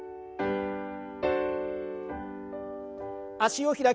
脚を開きます。